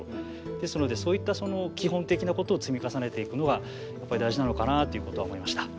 ですのでそういった基本的なことを積み重ねていくのがやっぱり大事なのかなっていうことは思いました。